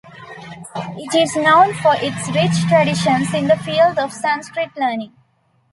It is known for its rich traditions in the field of Sanskrit learning.